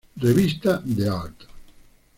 Revista d'Art".